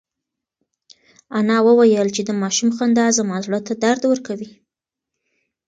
انا وویل چې د ماشوم خندا زما زړه ته درد ورکوي.